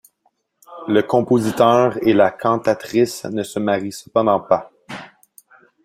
Le compositeur et la cantatrice ne se marient cependant pas.